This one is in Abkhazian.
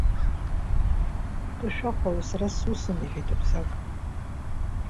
Шәхы шәахәала, сара сусым, – иҳәеит Абзагә.